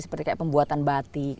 seperti pembuatan batik